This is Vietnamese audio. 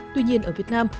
tuy nhiên ở việt nam